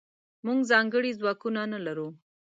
موږځنکړي ځواکونه نلرو